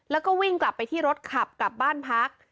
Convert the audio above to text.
แล้วก็วิ่งกลับไปที่รถขับกลับบ้านพัก